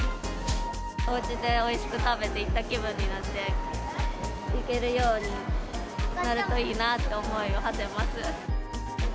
おうちでおいしく食べて、行った気分になって、行けるようになるといいなという思いをはせます。